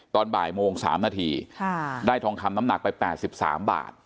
ตอนบ่ายโมงสามนาทีค่ะได้ทองคำน้ำหนักไปแปดสิบสามบาท